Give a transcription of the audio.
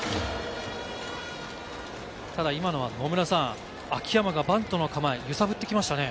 ただ、今のは秋山がバントの構え、揺さぶってきましたね。